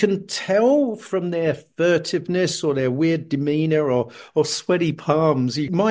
anda bisa melihat dari keberadaan mereka atau demean aneh mereka atau palang yang berat